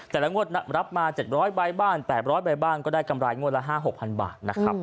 แต่ละงวดรับมา๗๐๐ใบบ้าน๘๐๐ใบบ้านก็ได้กำไรงวดละ๕๖พันบาท